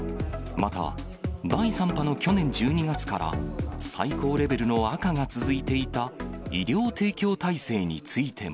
また、第３波の去年１２月から最高レベルの赤が続いていた医療提供体制についても。